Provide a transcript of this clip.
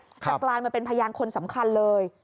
แต่กลายมาเป็นพยานคนสำคัญเลย